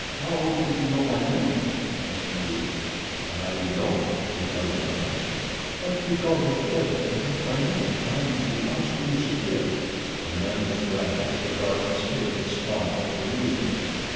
"How did you know my name?" asked the youth. "I don't," replied the man. "But you called me 'Kid' and that's my name I'm The Oskaloosa Kid." The man was glad that the darkness hid his smile of amusement.